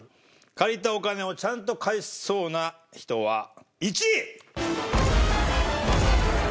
借りたお金をちゃんと返しそうな人は１位。